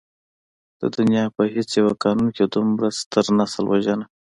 د دنيا په هېڅ يو قانون کې دومره ستر نسل وژنه.